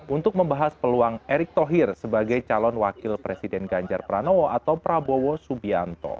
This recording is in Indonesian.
untuk membahas peluang erick thohir sebagai calon wakil presiden ganjar pranowo atau prabowo subianto